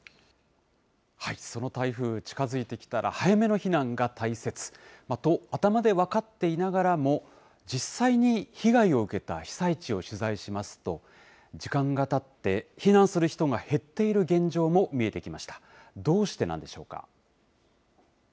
その台風、近づいてきたら早めの避難が大切と、頭では分かっていながらも、実際に被害を受けた被災地を取材しますと、時間がたって、避難する人が減っている現状も見えてきました。